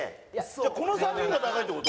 じゃあこの３人が高いって事？